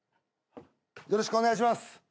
よろしくお願いします。